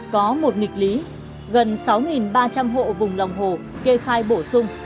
có một nghịch lý gần sáu ba trăm linh hộ vùng lòng hồ kê khai bổ sung